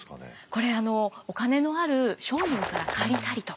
これあのお金のある商人から借りたりとか。